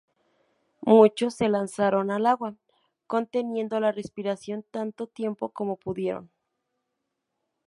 Muchos se lanzaron al agua, conteniendo la respiración tanto tiempo como pudieron.